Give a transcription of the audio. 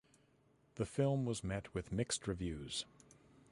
The film was met with mixed reviews.